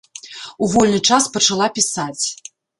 У вольны час пачала пісаць.